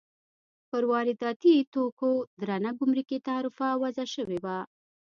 پر وارداتي توکو درنه ګمرکي تعرفه وضع شوې وه.